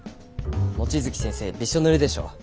望月先生びしょぬれでしょ。